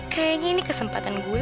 kayaknya ini kesempatan gue